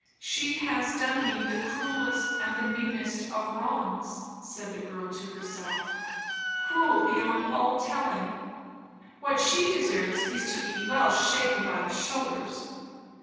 She has done me the cruelest and the meanest of wrongs, said the girl to herself; cruel beyond all telling; what she deserves is to be well shaken by the shoulders.